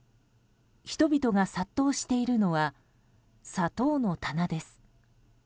人々が殺到しているのは砂糖の棚です。